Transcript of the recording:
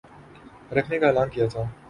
رکھنے کا اعلان کیا تھا